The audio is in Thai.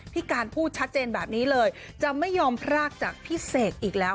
พี่การพูดชัดเจนแบบนี้เลยจะไม่ยอมพรากจากพี่เสกอีกแล้ว